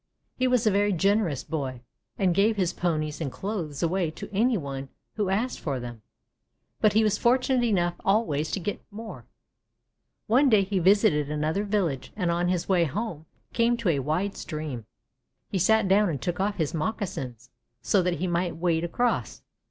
He was a very generous boy, and gave his Ponies and clothes away to any one who asked for them, but he was fortunate enough always to get more wealth. One day he visited another village, and on his way home came to a wide stream. He sat down and took off his moccasins, so that he might wade across.